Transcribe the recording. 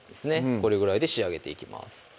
これぐらいで仕上げていきます